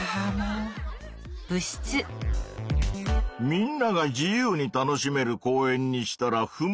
みんなが自由に楽しめる公園にしたら不満が出た。